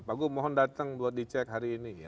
pak gup mohon datang buat dicek hari ini ya